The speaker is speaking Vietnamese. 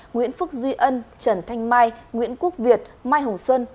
nguyễn phước duy ân trần thanh mai nguyễn quốc việt mai hồng xuân